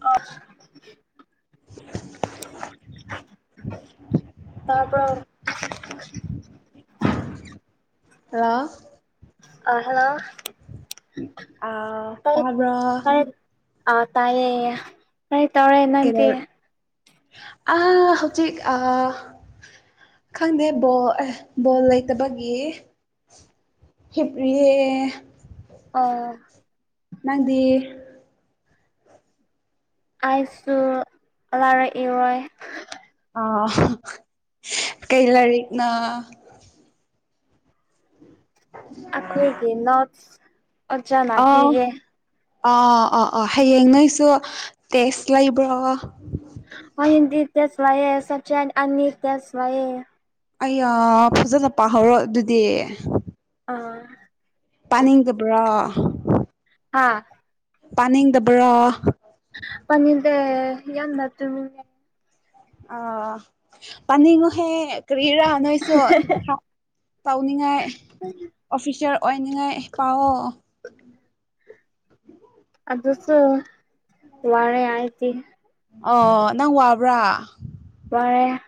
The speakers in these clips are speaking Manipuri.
ꯑ ꯇꯥꯕꯔꫭ ꯍꯜꯂꯣ ꯑꯥ ꯍꯜꯂꯣ ꯑ ꯀ ꯀ ꯑ ꯇꯥꯏꯌꯦ ꯀꯔꯤ ꯇꯧꯔꯦ ꯅꯪꯗꯤ ꯑ ꯍꯧꯖꯤ ꯑ ꯈꯪꯗꯦ ꯕꯣꯜ ꯑꯦ ꯕꯣꯜ ꯂꯩꯇꯕꯒꯤ ꯍꯄꯔꯤ ꯑꯣ ꯅꯪꯗꯤ ꯑꯩꯁꯨ ꯂꯥꯔꯛꯏꯔꯣꯏ ꯑ ꯀꯩ ꯂꯔꯤꯛꯅꯥ ꯑꯩꯈꯣꯏꯒꯤ ꯅꯣꯠꯁ ꯑꯣꯖꯥ ꯑꯥ ꯅꯥꯄꯤꯤꯒꯦ ꯑꯥ ꯑ ꯑꯥ ꯑꯥ ꯍꯌꯦꯡ ꯅꯣꯏꯁꯨ ꯇꯦꯁ ꯂꯩꯕ꯭ꯔꯣ ꯑꯣ ꯍꯤꯟꯗꯤ ꯇꯁ ꯋꯥꯏ ꯁꯆ ꯑꯅꯤ ꯇꯁ ꯋꯥꯌꯦ ꯑꯩ ꯐꯖꯅ ꯄꯥꯍꯧꯔꯣ ꯑꯗꯨꯗꯤ ꯑꯥ ꯇꯥꯅꯤꯪꯉꯟ ꯍꯥꯥ ꯄꯥꯅꯤꯡꯗꯕ꯭ꯔꯣ ꯄꯅꯤꯗ ꯍꯗ ꯇꯃꯤ ꯑ ꯄꯅꯤꯉꯨꯍꯦ ꯀ꯭ꯔꯤꯔꯥ ꯑꯏꯁꯨꯣ ꯇꯧꯅꯤꯡꯉꯥꯏ ꯑꯣꯐꯤꯁꯔ ꯑꯣꯏꯅꯤꯡꯉꯥꯏ ꯄꯥꯎ ꯑꯗꯨꯗꯁꯨ ꯋꯥꯔꯦ ꯑꯩꯗꯤ ꯑꯣ ꯅꯪ ꯋꯥꯕ꯭ꯔꯥ ꯋꯥꯔꯦ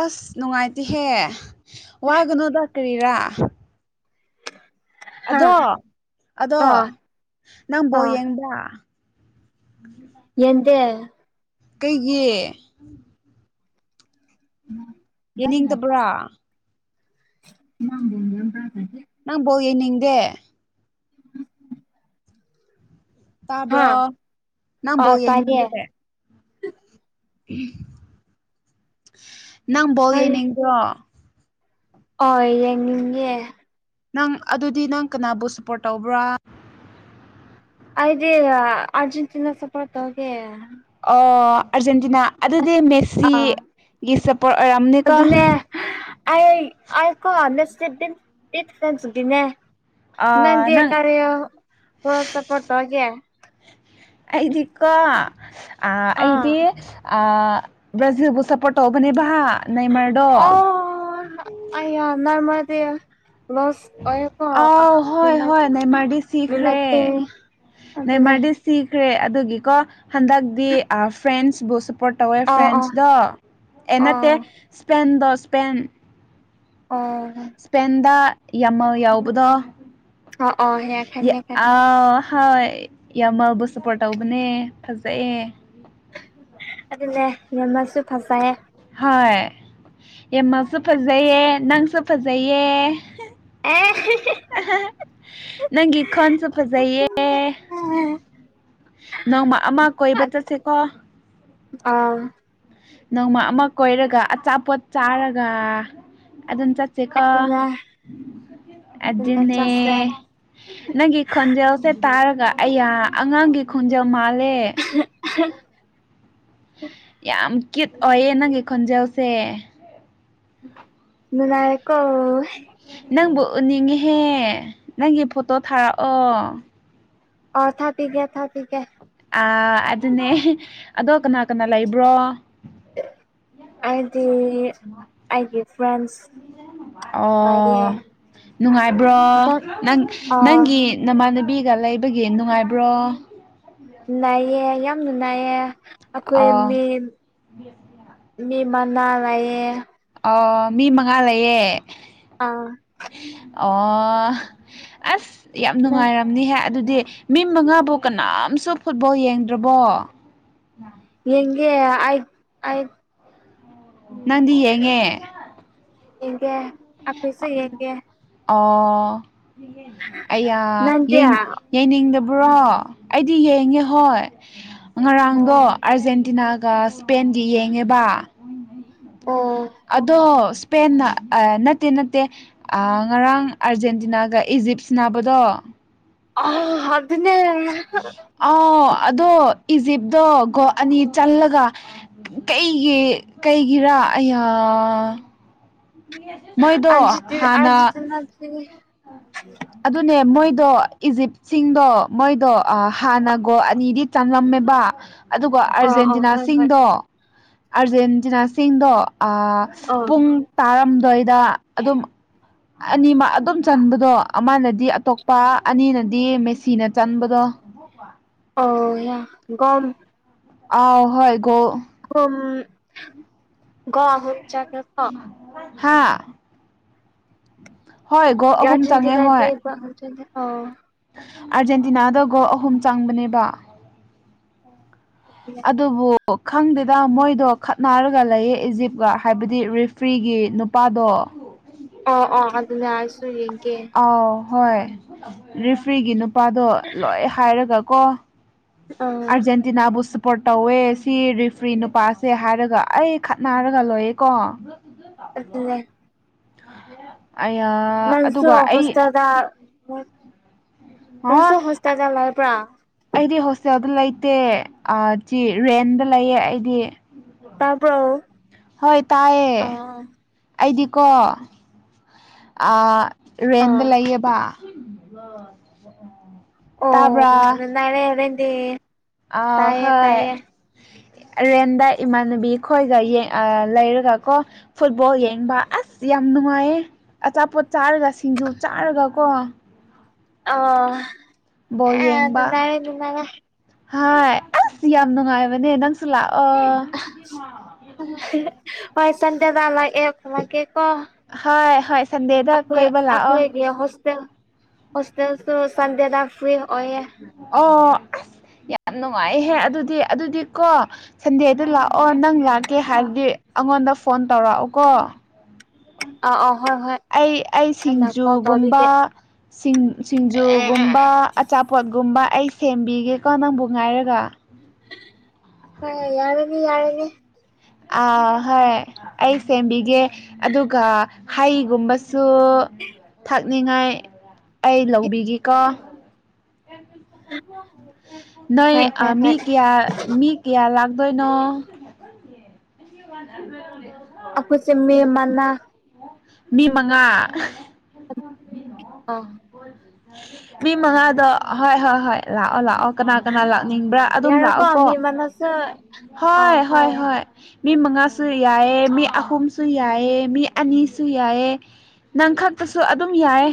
ꯑꯁ ꯅꯨꯡꯉꯥꯏꯇꯦꯍꯦ ꯋꯥꯒꯅꯣꯗ ꯀꯔꯤꯔꯥ ꯍꯥ ꯑꯗꯣ ꯑꯗꯣ ꯑ ꯅꯪꯕꯣ ꯑ ꯌꯦꯡꯕ ꯌꯦꯇ ꯀꯩꯒꯤ ꯎꯝ ꯌꯦꯅꯤ ꯇꯕ꯭ꯔꯥ ꯅꯥꯡꯕꯨꯣꯅ ꯌꯥꯝꯦ ꯅꯪ ꯣ ꯌꯦꯅꯤꯗꯦ ꯍꯥ ꯇꯥꯕ꯭ꯔꯣ ꯑ ꯅꯪꯕꯣ ꯇꯥꯏꯌꯦ ꯌꯦꯡꯅꯤꯡꯒꯦ ꯅꯪ ꯕꯣꯜ ꯌꯦꯡꯅꯤꯡꯗꯣ ꯍ ꯌꯦꯡꯅꯤꯡꯉꯦ ꯅꯪ ꯑꯗꯨꯗꯤ ꯅꯪ ꯀꯅꯥꯕꯨ ꯁꯄꯣꯔꯠ ꯇꯧꯕ꯭ꯔꯥ ꯑꯗꯤ ꯑꯔꯖꯦꯟꯇꯤꯅꯥ ꯁꯄꯣ ꯇ ꯍꯒꯦ ꯑꯣ ꯑꯥꯔꯖꯦꯟꯇꯤꯅꯥ ꯑꯗꯨꯗꯤ ꯃꯦꯁꯤꯒꯤ ꯁꯞꯄꯣꯔꯠ ꯑꯣꯏꯔꯝ ꯑꯗꯨ ꯑꯗꯨꯅꯦ ꯑ ꯑ ꯀꯣ ꯍꯟꯦꯗꯤꯐ꯭ꯔꯦꯟꯁꯗꯤꯅꯦ ꯑꯥ ꯅꯗꯤ ꯅꯪ ꯀꯥꯔꯦ ꯍꯔꯁ ꯄꯠꯇꯣꯑꯒꯦ ꯑꯩꯗꯤꯀꯣ ꯑꯩꯗꯤ ꯑꯥ ꯕ꯭ꯔꯥꯖꯤꯜꯕꯨ ꯁꯞꯄꯣꯔꯠ ꯇꯧꯕꯅꯦꯕ ꯅꯃꯔꯗꯣ ꯑ ꯅ ꯃꯥꯗꯤ ꯂꯁ ꯑꯣꯏꯀꯣ ꯑꯥꯎ ꯍꯣꯏ ꯂꯅꯥ ꯍꯣꯏ ꯅꯏꯃꯔꯗꯤ ꯂꯅꯥꯀꯤ ꯃꯗꯤ ꯁꯤꯈ꯭ꯔꯦ ꯑꯗꯨꯒꯤꯀꯣ ꯍꯟꯗꯛꯇꯤ ꯐ꯭ꯔꯦꯟꯁꯕꯨ ꯁꯄꯣꯔꯠ ꯇꯧꯋꯦ ꯑꯣ ꯑꯣ ꯐ꯭ꯔꯦꯟꯁꯗꯣ ꯑꯦ ꯅꯠꯇꯦ ꯑꯣ ꯁꯄꯦꯟꯗꯣ ꯁꯄꯦꯟ ꯑꯣ ꯁꯄꯦꯟꯗ ꯌꯥꯝꯃ ꯌꯥꯎꯕꯗꯣ ꯑꯣ ꯑꯣ ꯍꯦ ꯈꯪꯉꯦ ꯈꯪꯉꯦ ꯍꯣꯏ ꯌꯥꯝꯃꯜꯕꯨ ꯁꯞꯄꯣꯔꯠ ꯇꯧꯕꯅꯦ ꯐꯖꯩꯌꯦꯦ ꯑꯗꯨꯅꯦ ꯅꯦꯝꯃꯁꯨ ꯐꯖꯩꯌꯦ ꯍꯣꯏ ꯌꯦꯃꯁꯨ ꯐꯖꯩꯌꯦ ꯅꯪꯁꯨ ꯐꯖꯩꯌꯦ ꯑꯦ ꯅꯪꯒꯤ ꯈꯣꯟꯁꯨ ꯐꯖꯩꯌꯦꯦ ꯅꯪꯃ ꯑꯃ ꯀꯣꯏꯕ ꯆꯠꯁꯦꯀꯣ ꯑ ꯅꯣꯡꯃ ꯑꯃ ꯀꯣꯏꯔꯒ ꯑꯆꯥꯄꯣꯠ ꯆꯥꯔꯒ ꯑꯗꯨꯝ ꯆꯠ ꯁꯤꯀꯥ ꯑꯗꯨꯅꯦ ꯑꯗꯨꯅꯦ ꯑꯦꯖꯅꯦ ꯆꯠꯁꯦ ꯅꯪꯒꯤ ꯈꯣꯟꯖꯦꯜꯁꯦ ꯇꯥꯔꯒ ꯑꯩꯌꯥ ꯑꯉꯥꯡꯒꯤ ꯈꯣꯟꯖꯦꯜ ꯃꯥꯜꯂꯦ [inaudible] ꯌꯥꯝ ꯀꯤꯠ ꯑꯣꯏꯌꯦ ꯅꯪꯒꯤ ꯈꯣꯟꯖꯦꯜꯁꯦ ꯅꯨꯅꯥꯏꯀꯣ ꯅꯪꯕꯨ ꯎꯅꯤꯡꯉꯤꯍꯦ ꯅꯪꯒꯤ ꯐꯣꯇꯣ ꯊꯥꯔꯛꯑꯣ ꯑꯣ ꯊꯥ ꯄꯤꯒꯦ ꯊꯥ ꯄꯤꯒꯦ ꯑ ꯑꯗꯨꯅꯦ ꯑꯗꯣ ꯀꯅꯥ ꯀꯅꯥ ꯂꯩꯕ꯭ꯔꯣ ꯑꯩꯗꯤ ꯑꯩꯒꯤ ꯐ꯭ꯔꯦꯟꯁ ꯑꯣ ꯂꯩꯌꯦ ꯅꯨꯡꯉꯥꯏꯕ꯭ꯔꯣ ꯅꯪ ꯑꯥ ꯅꯪꯒꯤ ꯅꯃꯥꯟꯅꯕꯤꯒ ꯂꯩꯕꯒꯤ ꯅꯨꯡꯉꯥꯏꯕ꯭ꯔꯣ ꯅꯥꯏꯌꯦꯦ ꯌꯥꯝꯅ ꯅꯥꯏꯌꯦꯦ ꯑꯩꯈꯣꯏ ꯑꯣ ꯃꯤ ꯃꯤ ꯃꯅꯥ ꯂꯥꯏꯌꯦ ꯑ ꯃꯤ ꯃꯉꯥ ꯂꯩꯌꯦꯦ ꯑꯥ ꯑꯣ ꯑꯁ ꯌꯥꯝ ꯅꯪ ꯅꯨꯡꯉꯥꯏꯔ ꯍꯥꯏ ꯑꯗꯨꯗꯤ ꯃꯤ ꯃꯉꯥꯕꯨ ꯀꯅꯥꯝꯁꯨ ꯐꯨꯠꯕꯣꯜ ꯌꯦꯡꯗ꯭ꯔꯕꯣ ꯌꯦꯦ ꯑ ꯅꯗꯤ ꯌꯦꯉꯦ ꯏꯒ ꯑꯣ ꯑꯌꯥ ꯅꯪꯗꯤ ꯌꯦ ꯌꯦꯡꯅꯤꯡꯗꯕ꯭ꯔꯣ ꯑꯩꯗꯤ ꯌꯦꯡꯉꯦ ꯍꯣꯏ ꯉꯔꯥꯡꯗꯣ ꯑꯣ ꯑꯥꯔꯖꯦꯟꯇꯤꯅꯥꯒ ꯁꯄꯦꯟꯒ ꯌꯦꯡꯉꯦꯕ ꯑꯣ ꯑꯗꯣ ꯁꯄꯦꯟ ꯑ ꯅꯠꯇꯦ ꯅꯠꯇꯦ ꯉꯔꯥꯡ ꯑꯥꯔꯖꯦꯟꯇꯤꯅꯥꯒ ꯏꯖꯤꯞꯁꯤ ꯅꯥꯕꯗꯣ ꯑ ꯑꯥꯎ ꯑꯗꯣ ꯏꯖꯤꯞꯇꯣ ꯒꯣ ꯑꯅꯤ ꯆꯜꯂꯒ ꯀꯩꯒꯤ ꯀꯩꯒꯤꯔꯥ ꯑꯌꯥ ꯃꯣꯏꯗꯣ ꯑꯔꯖꯦꯟꯇꯤ ꯍꯥꯟꯅ ꯑꯔꯖꯦꯟꯇꯤꯅꯥꯒꯤ ꯑꯗꯨꯅꯦ ꯃꯣꯏꯗꯣ ꯏꯖꯤꯞꯁꯤꯡꯗꯣ ꯃꯣꯏꯗꯣ ꯍꯥꯟꯅꯒꯣ ꯑꯅꯤꯗꯤ ꯆꯥꯡꯉꯝꯃꯦꯕ ꯑꯗꯨꯒ ꯑꯣ ꯑꯣ ꯍꯣꯏ ꯍꯣꯏ ꯑꯥꯔꯖꯦꯟꯇꯤꯅꯥꯁꯤꯡꯗꯣ ꯑꯥꯔꯖꯦꯟꯇꯤꯅꯥꯁꯤꯡꯗꯣ ꯑꯣ ꯄꯨꯡ ꯇꯥꯔꯝꯗꯏꯗ ꯑꯗꯨꯝ ꯑꯅꯤ ꯑꯗꯨꯝ ꯆꯟꯕꯗꯣ ꯑꯃꯅꯗꯤ ꯑꯇꯣꯞꯄ ꯑꯅꯤꯅꯗꯤ ꯃꯦꯁꯤꯅ ꯆꯟꯕꯗꯣ ꯑꯣ ꯌꯥ ꯒ ꯑꯥꯎ ꯍꯣꯏꯒꯣ ꯍꯝ ꯀꯣ ꯍꯣ ꯆꯒ ꯀ ꯍꯥꯥ ꯒꯣꯜ ꯑꯍꯨꯝ ꯆꯪꯉꯦ ꯍꯣꯏ ꯑꯔꯖꯦꯦꯟꯇꯤꯅꯥꯗꯤꯧ ꯑꯥꯔꯖꯦꯟꯇꯤꯅꯥꯗ ꯒꯣꯜ ꯑꯍꯨꯝ ꯆꯪꯕꯅꯦꯕ ꯑꯣ ꯑꯗꯨꯕꯨ ꯈꯪꯗꯦꯗ ꯃꯣꯏꯗꯣ ꯈꯠꯅꯔꯒ ꯂꯩꯌꯦ ꯏꯖꯤꯞꯀ ꯍꯥꯏꯕꯗꯤ ꯔꯤꯐ꯭ꯔꯤꯒꯤ ꯅꯨꯄꯥꯗꯣ ꯑꯣ ꯑꯣ ꯑꯗꯨꯅ ꯍꯥꯏꯁꯨ ꯌꯦꯡꯒꯦ ꯑꯥꯎ ꯍꯣꯏ ꯔꯔꯤꯐ꯭ꯔꯤꯒꯤ ꯅꯨꯄꯥꯗꯣ ꯂꯣꯏ ꯍꯥꯏꯔꯒ ꯀꯣ ꯑꯥ ꯑꯔꯖꯦꯟꯇꯤꯅꯥꯕꯨꯁ ꯄꯣꯔꯠ ꯇꯧꯋꯦ ꯁꯤ ꯔꯤꯐ꯭ꯔꯤ ꯅꯨꯄꯥꯁꯦ ꯍꯥꯏꯔꯒ ꯑꯩ ꯈꯠꯅꯔꯒ ꯂꯣꯏꯌꯦꯦꯀꯣ ꯑꯗꯨꯦ ꯑ ꯑꯗꯨꯒ ꯑꯩ ꯅꯁꯨ ꯑ ꯍꯣꯁꯇꯦꯜꯖ ꯂꯔꯕ꯭ꯔꯥ ꯑꯩꯗꯤ ꯍꯣꯁꯇꯦꯜꯗ ꯂꯩꯇꯦ ꯔꯦꯟꯗ ꯂꯩꯌꯦ ꯑꯩꯗꯤ ꯇꯥꯕ꯭ꯔꯣ ꯍꯣꯏ ꯇꯥꯏꯌꯦ ꯑꯥ ꯑꯩꯗꯤꯀꯣ ꯑ ꯔꯦꯟꯗ ꯑꯥ ꯂꯩꯌꯦꯕ ꯑꯣ [unintelligible] ꯍꯣꯔꯦꯟꯗꯤ ꯑ ꯇꯥꯏꯌꯦ ꯍꯣꯏ ꯇꯥꯏꯌꯦ ꯔꯦꯟꯗ ꯏꯃꯥꯟꯅꯕꯤ ꯈꯣꯏꯒ ꯑ ꯂꯩꯔꯒꯀꯣ ꯐꯨꯠꯕꯣꯜ ꯌꯦꯡꯕ ꯑꯁ ꯌꯥꯝ ꯅꯨꯡꯉꯥꯏꯌꯦ ꯑꯆꯥꯄꯣꯠ ꯆꯥꯔꯒ ꯁꯤꯡꯖꯨ ꯆꯥꯔꯒ ꯀꯣ ꯑꯣ ꯕꯣꯜ ꯑꯦ ꯅꯨꯡꯉꯥꯏꯔꯦ ꯅꯨꯡꯉꯥꯏꯔꯦ ꯍꯥꯏ ꯑꯁ ꯌꯥꯝ ꯅꯨꯡꯉꯥꯏꯕꯅꯦ ꯅꯪꯁꯨ ꯂꯥꯛꯑꯣ [unintelligible] ꯍꯣꯏ ꯁꯟꯗꯦꯗ ꯂꯥꯡꯑꯦ ꯂꯥꯛꯀꯦꯀꯣ ꯍꯣꯏ ꯍꯣꯏ ꯁꯟꯗꯦꯗ ꯑꯈꯣꯏ ꯀꯣꯏꯕ ꯂꯥꯛꯑꯣ ꯑꯈꯣꯏꯒꯤ ꯍꯣꯁꯇꯦꯜ ꯍꯁꯇ ꯁꯟꯗꯦꯗ ꯐ꯭ꯔꯤ ꯑꯣꯏꯌꯦ ꯑ ꯌꯥꯝ ꯅꯨꯡꯉꯥꯏꯍꯦ ꯑꯗꯨꯗꯤ ꯑꯗꯨꯗꯤ ꯀꯣ ꯁꯟꯗꯦꯗ ꯂꯥꯛꯑꯣ ꯅꯪ ꯂꯥꯛ ꯀꯦ ꯍꯥꯏꯔꯗꯤ ꯑꯩꯉꯣꯟꯗ ꯐꯣꯟ ꯇꯧꯔꯛꯎꯀꯣ ꯑ ꯑꯣ ꯍꯣꯏ ꯍꯣꯏ ꯑꯩ ꯑꯩ ꯑꯩꯅ ꯀꯣꯜ ꯁꯤꯡꯖꯨꯒꯨꯝꯕ ꯇꯧꯕꯤꯒꯦ ꯁꯤꯡ ꯁꯤꯡꯖꯨꯒꯨꯝꯕ ꯑꯆꯥꯄꯣꯠꯒꯨꯝꯕ ꯑꯩ ꯁꯦꯝꯕꯤꯒꯦꯀꯣ ꯅꯪꯕꯨ ꯉꯥꯏꯔꯒ ꯍ ꯌꯥꯔꯦꯅꯤ ꯌꯥꯔꯅꯦ ꯑꯥ ꯍꯣꯏ ꯑꯩ ꯁꯦꯝꯕꯤꯒꯦ ꯑꯗꯨꯒ ꯍꯩꯒꯨꯝꯕ ꯁꯨ ꯊꯥꯛꯅꯤꯡꯉꯥꯏ ꯑꯩ ꯂꯧꯕꯤꯒꯦꯀꯣ [unintelligible] ꯅꯣꯏ ꯍꯣꯏ ꯍꯣꯏ ꯃꯤ ꯍꯣꯏ ꯀꯌꯥꯃꯤ ꯀꯌꯥ ꯂꯥꯛꯇꯣꯏꯅꯣ ꯑꯩꯈꯣꯏꯁꯦ ꯃꯤ ꯃꯅꯥ [unintelligible] ꯃꯤ ꯃꯉꯥ ꯑꯥ [unintelligible] [unintelligible] ꯃꯤ ꯃꯉꯥꯗꯥ ꯍꯣꯏ ꯍꯣꯏ ꯍꯣꯏ ꯂꯥꯛꯑꯣ ꯂꯥꯛꯑꯣ ꯀꯅꯥ ꯀꯅꯥ ꯂꯥꯛꯅꯤꯡꯕ꯭ꯔꯥ ꯑꯗꯨꯝ ꯌꯥꯔꯦꯀꯣ ꯂꯥꯛꯑꯣꯀꯣ ꯃꯤ ꯃꯅꯥꯁꯨ ꯍꯣꯏ ꯍꯣꯏ ꯍꯣꯏ ꯃꯤ ꯃꯉꯥꯁꯨ ꯌꯥꯏꯑꯦ ꯃꯤ ꯑꯍꯨꯝꯁꯨ ꯌꯥꯏꯑꯦ ꯃꯤ ꯑꯅꯤꯁꯨ ꯌꯥꯏꯑꯦ ꯅꯪ ꯈꯛꯇꯁꯨ ꯑꯗꯨꯝ ꯌꯥꯏꯑꯦ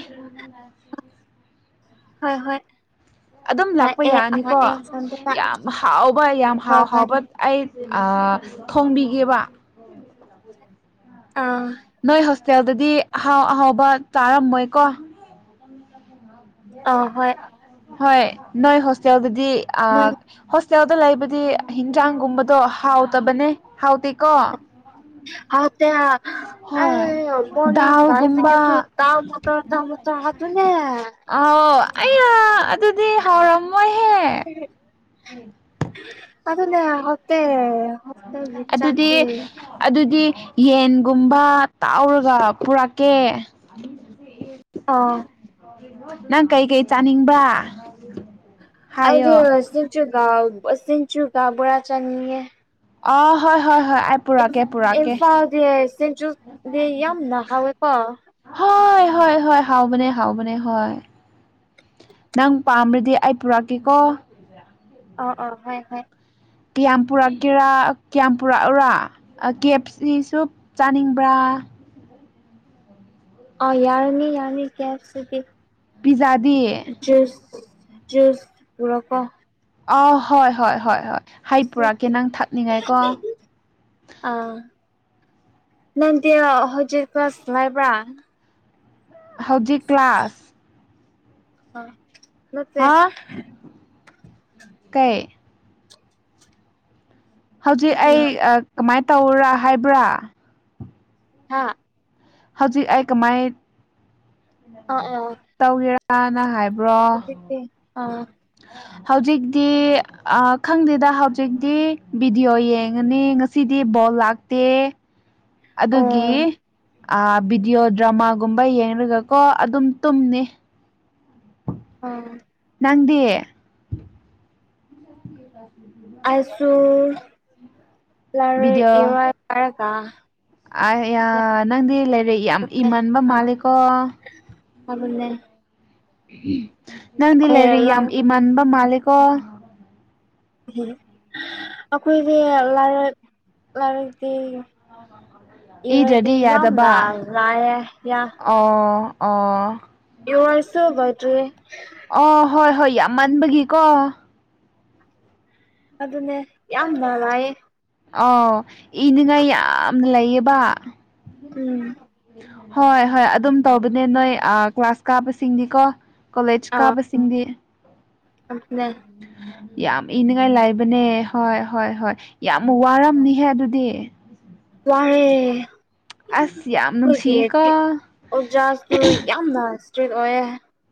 ꯍꯣꯏ ꯍꯣꯏ ꯑꯗꯨꯝ ꯂꯥꯛꯄ ꯂꯥꯛꯑꯦ ꯌꯥꯅꯤꯀꯣ ꯂꯥꯛꯑꯦ ꯁꯣꯝꯗ ꯌꯥꯝ ꯍꯥꯎꯕ ꯌꯥꯝ ꯍꯥꯎ ꯍꯣꯏ ꯍꯣꯏ ꯍꯥꯎꯕ ꯑꯩ ꯑ ꯊꯣꯡꯕꯤꯒꯦꯕ [unintelligible] ꯑꯥ ꯅꯣꯏ ꯍꯣꯁꯇꯦꯜꯗꯗꯤ ꯑꯍꯥꯎ ꯑꯍꯥꯎꯕ ꯆꯥꯔꯝꯃꯣꯏꯀꯣ ꯑꯥ ꯍꯣꯏ [unintelligible] ꯍꯣꯏ ꯅꯣꯏ ꯍꯣꯁꯇꯦꯜ ꯗꯗꯤ ꯅꯪ ꯑ ꯍꯣꯁꯇꯦꯜꯗ ꯂꯩꯕꯗꯤ ꯍꯤꯟꯖꯥꯡꯒꯨꯝꯕꯗꯣ ꯍꯥꯎꯇꯕꯅꯦ ꯍꯥꯎꯇꯦꯀꯣ ꯍꯥꯎꯇꯦ [unintelligible] ꯍꯣꯏ ꯑꯦ ꯗꯥꯜꯒꯨꯝꯕ [unintelligible] [unintelligible] [unintelligible] ꯑꯥꯎ ꯑꯩꯩꯌꯥ ꯑꯗꯨꯗꯤ ꯍꯥꯎꯔꯝꯃꯣꯏꯍꯦ [unintelligible] ꯑꯗꯨꯗꯅꯦ ꯍꯥꯎꯇꯦ ꯍꯣꯁꯇꯦꯜꯒꯤ ꯑꯗꯨꯗꯤ ꯆꯥꯛꯇꯤ ꯑꯗꯨꯗꯤ ꯌꯦꯟꯒꯨꯝꯕ ꯇꯥꯎꯔꯒ ꯄꯨꯔꯛꯀꯦ [unintelligible] ꯑꯣ ꯅꯪ ꯀꯩꯀꯩ ꯆꯥꯅꯤꯡꯕ ꯑꯩꯗꯤ ꯁꯤꯡꯖꯨꯒ ꯁꯤꯡꯖꯨꯒ ꯕꯣꯔꯥ ꯆꯥꯅꯤꯡꯏ ꯑꯥ ꯍꯣꯏ ꯍꯣꯏ ꯍꯣꯏ ꯑꯩ ꯄꯨꯔꯛꯀꯦ ꯄꯨꯔꯛꯀꯦ ꯏꯝꯐꯥꯜꯗꯤ ꯁꯝꯟꯖꯨꯗꯤ ꯌꯥꯝꯅ ꯍꯥꯎꯋꯦꯀꯣ ꯍꯣꯏ ꯍꯣꯏ ꯍꯣꯏ ꯍꯥꯎꯕꯅꯦ ꯍꯥꯎꯕꯅꯦ ꯍꯣꯏ ꯅꯪ ꯄꯥꯝꯔꯗꯤ ꯑꯩ ꯄꯨꯔꯛꯀꯦꯀꯣ ꯑꯣ ꯑꯣ ꯍꯣꯏ ꯍꯣꯏ ꯀꯌꯥꯝ ꯄꯨꯔꯛꯀꯦꯔꯥ ꯀꯌꯥꯝ ꯄꯨꯔꯛꯎꯔꯥ ꯑ ꯀꯦꯞꯁꯤ ꯁꯨ ꯆꯥꯅꯤꯡꯕ꯭ꯔꯥ ꯑꯥꯎ ꯌꯥꯔꯅꯤ ꯌꯥꯔꯅꯤ ꯀꯦꯞ ꯁꯤꯗꯤ ꯄꯤꯖꯥꯗꯤ [unintelligible] ꯄꯨꯔꯛꯑꯣ ꯑ ꯍꯣꯏ ꯍꯣꯏ ꯍꯣꯏ ꯍꯣꯏ ꯍꯩ ꯄꯨꯔꯛꯀꯦ ꯅꯪ ꯊꯥꯛꯅꯤꯡꯉꯥꯏꯀꯣ ꯑꯥ ꯅꯪꯗꯤ ꯍꯧꯖꯤꯛ ꯀ꯭ꯂꯥꯁ ꯉꯥꯏꯕ꯭ꯔꯥ ꯍꯧꯖꯤꯛ ꯀ꯭ꯂꯥꯁ ꯑ ꯍꯥ ꯀꯩ ꯍꯧꯖꯤꯛ ꯑꯩ ꯍꯥ ꯀꯃꯥꯏꯅ ꯇꯧꯔꯥ ꯍꯥꯏꯕ꯭ꯔꯥ ꯍꯥꯥ ꯍꯧꯖꯤꯛ ꯑꯩ ꯀꯃꯥꯏ ꯑꯣ ꯑꯣ ꯇꯧꯒꯦꯔꯅ ꯍꯥꯏꯕ ꯍꯧꯖꯤꯛꯇꯤ ꯑꯥ [unintelligible] ꯍꯧꯖꯤꯛꯇꯤ ꯈꯪꯗꯦꯗ ꯍꯧꯖꯤꯛꯇꯤ ꯕꯤꯗꯤꯑꯣ ꯌꯦꯡꯉꯅꯤ ꯉꯁꯤꯗꯤ ꯕꯣꯜ ꯂꯥꯛ ꯇꯦ ꯑꯣ ꯑꯗꯨꯒꯤ ꯑ ꯚꯤꯗꯤꯑꯣ ꯗ꯭ꯔꯃꯥꯒꯨꯝꯕ ꯌꯦꯡꯉꯒꯀꯣ ꯑꯗꯨꯝ ꯇꯨꯝꯅꯤ ꯑ ꯅꯪꯗꯤ [unintelligible] ꯑꯁꯨꯨꯔ ꯂꯥꯏꯔꯤꯛ ꯚꯤꯗꯤꯑꯣ [unintelligible] ꯑ ꯌꯥꯝ ꯅꯪꯗꯤ ꯂꯩ [unintelligible] ꯌꯥꯝ ꯏꯃꯥꯟꯕ ꯑꯥ ꯃꯥꯂꯤꯀꯣ ꯑꯗꯨꯅꯦ ꯅꯪꯗꯤ ꯂꯩꯔꯤꯛ ꯑꯩꯈꯣꯏ ꯂꯥꯏ ꯌꯥꯝ ꯏꯃꯟꯕ ꯃꯥꯜꯂꯦꯀꯣ ꯎꯝ ꯑꯩꯈꯣꯏꯗꯤ ꯂꯥꯏꯔꯤꯛ ꯂꯥꯏꯔꯛꯇꯤ ꯏꯔꯗꯤ ꯏꯗ꯭ꯔꯗꯤ ꯌꯥꯝꯅ ꯌꯥꯗꯕ ꯂꯥꯏꯔꯦ ꯌꯥ ꯑꯣ ꯑꯣ ꯌꯨ ꯑꯥꯔ ꯁꯣ [unintelligible] ꯑꯣ ꯍꯣꯏ ꯍꯣꯏ ꯌꯥꯝ ꯃꯥꯟꯕꯒꯤꯀꯣ ꯑꯗꯨꯅꯦ ꯌꯥꯝꯅ ꯂꯥꯏꯌꯦ ꯑꯥꯎ ꯏꯅꯤꯡꯉꯥꯏ ꯌꯥꯝ ꯂꯩꯌꯦꯕ ꯎꯝ ꯍꯣꯏ ꯍꯣꯏ ꯑꯗꯨꯝ ꯇꯧꯕꯅꯦ ꯅꯣꯏ ꯀ꯭ꯂꯥꯁ ꯀꯥꯕꯁꯤꯡꯅꯤꯀꯣ ꯀꯣꯂꯦꯖ ꯑꯥ ꯀꯥꯕꯁꯤꯡ ꯆꯁꯤꯡꯗꯤ [unintelligible] ꯌꯥꯝ ꯏꯅꯤꯡꯉꯥꯏ ꯂꯥꯏꯕꯅꯦ ꯍꯣꯏ ꯍꯣꯏ ꯍꯣꯏ ꯌꯥꯝ ꯋꯥꯔꯝꯅꯤꯍꯦ ꯑꯗꯨꯗꯤ ꯋꯥꯔꯦ ꯑꯁ ꯌꯥꯝ ꯈꯣꯏꯒꯤ ꯅꯨꯡꯁꯤꯌꯦꯀꯣ [unintelligible] ꯑꯣꯖꯥꯁꯨ ꯌꯥꯝꯅ ꯏꯁꯇ꯭ꯔꯤꯛ ꯑꯣꯏꯌꯦ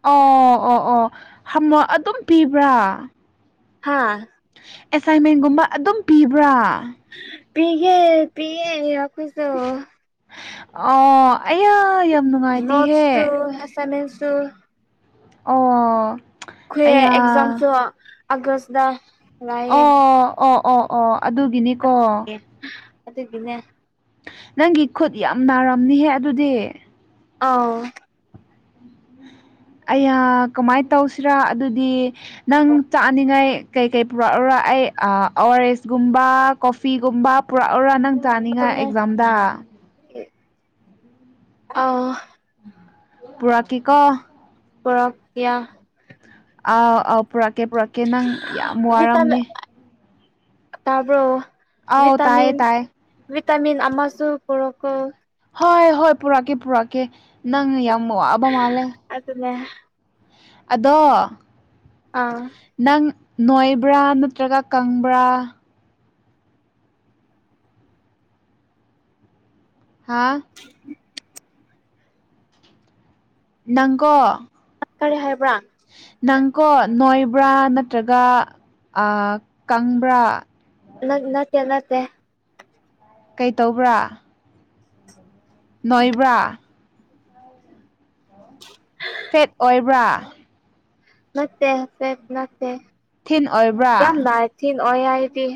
ꯑꯣ ꯑꯣ ꯑꯣ ꯍꯣꯝꯋꯥꯛ ꯑꯗꯨꯝ ꯄꯤꯕ꯭ꯔꯥ ꯍꯥꯥ ꯑꯦꯁꯥꯏꯟꯃꯦꯟꯒꯨꯝꯕ ꯑꯗꯨꯝ ꯄꯤꯕ꯭ꯔꯥ ꯄꯤꯒꯦ ꯄꯤꯌꯦ ꯑꯩꯈꯣꯏꯁꯨ ꯑꯣ ꯑꯌꯥꯌ ꯅꯣꯠꯁꯨ ꯑꯦꯁꯥꯏꯟꯃꯦꯟꯁꯨ ꯑꯣ ꯈꯣꯏ ꯑꯌꯥ ꯑꯦꯛꯖꯥꯝ ꯁꯨ ꯑꯒ꯭ꯔꯁꯇ ꯑꯣ ꯑꯣ ꯑꯣ ꯑꯣ ꯑꯗꯨꯒꯤꯅꯤꯀꯣ ꯑꯗꯨꯒꯤꯅꯦ ꯅꯪꯒꯤ ꯈꯨꯠ ꯌꯥꯝ ꯅꯥꯔꯝꯅꯤꯍꯦ ꯑꯗꯨꯗꯤ ꯑꯥꯎ ꯑꯩꯌꯥ ꯀꯃꯥꯏ ꯇꯧꯁꯤꯔꯥ ꯑꯗꯨꯗꯤ ꯅꯪ ꯆꯥꯅꯤꯡꯉꯥꯏ ꯀꯩꯀꯩ ꯄꯨꯔꯛꯎꯔꯥ ꯑꯩ ꯑꯣꯔꯦꯟꯖꯀꯨꯝꯕ ꯀꯣꯐꯤꯒꯨꯝꯕ ꯄꯨꯔꯛꯎꯔꯥ ꯅꯪ ꯆꯥꯅꯤꯡꯉꯥꯏ ꯑꯗꯨꯅꯦ ꯑꯦꯛꯖꯥꯝꯗ ꯑꯥ ꯄꯨꯔꯥꯛꯀꯦꯀꯣ ꯄꯔꯛ ꯀꯌꯥ ꯑꯥꯎ ꯑꯥꯎ ꯄꯨꯔꯛꯀꯦ ꯄꯨꯔꯛꯀꯦ ꯅꯪ ꯌꯥꯝ ꯋꯥꯔꯝꯅꯦ ꯇꯥꯔꯕ꯭ꯔꯣ ꯑꯥꯎ ꯇꯥꯏꯌꯦ ꯚꯤꯇꯥꯃꯤꯟ ꯇꯥꯏꯌꯦ ꯚꯤꯇꯥꯃꯤꯟ ꯑꯃꯁꯁꯨ ꯄꯨꯔꯧꯀꯣ ꯍꯣꯏ ꯍꯣꯏ ꯄꯨꯔꯛꯀꯦ ꯄꯨꯔꯛꯀꯦ ꯅꯪꯅ ꯌꯥꯝ ꯋꯥꯕ ꯃꯥꯜꯂꯦ ꯑꯗꯨꯅꯦ ꯑꯗꯣ ꯑꯥ ꯅꯪ ꯅꯣꯏꯕ꯭ꯔꯥ ꯅꯠꯇ꯭ꯔꯒ ꯀꯪꯕ꯭ꯔꯥ ꯍꯥꯥ ꯅꯪꯀꯣ ꯀꯔꯤ ꯍꯥꯏꯕ꯭ꯔꯥ ꯅꯪꯀꯣ ꯅꯣꯏꯕ꯭ꯔꯥ ꯅꯠꯇ꯭ꯔꯒ ꯀꯪꯕ꯭ꯔꯥ ꯅꯠꯇꯦ ꯅꯠꯇꯦ ꯀꯩ ꯇꯧꯕ꯭ꯔꯥ ꯅꯣꯏꯕ꯭ꯔꯥ ꯐꯦꯠ ꯑꯣꯏꯕ꯭ꯔꯥ ꯅꯠꯇꯦ ꯐꯦꯠ ꯅꯠꯇꯦ ꯊꯤꯟ ꯑꯣꯏꯕ꯭ꯔꯥ ꯌꯥꯝꯅ ꯊꯤꯟ ꯑꯣꯏ ꯑꯩꯗꯤ